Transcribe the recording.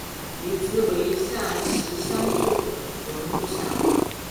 于兹为下邳相笮融部下。